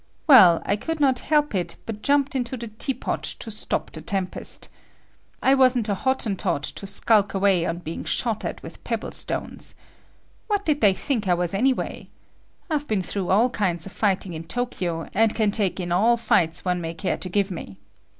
Well, I could not help it but jumped into the teapot to stop the tempest. I wasn't[O] a Hottentot to skulk away on being shot at with pebble stones. What did they think I was anyway! I've been through all kinds of fighting in Tokyo, and can take in all fights one may care to give me.